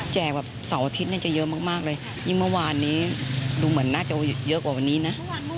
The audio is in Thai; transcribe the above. แบบเสาร์อาทิตย์เนี่ยจะเยอะมากเลยยิ่งเมื่อวานนี้ดูเหมือนน่าจะเยอะกว่าวันนี้นะ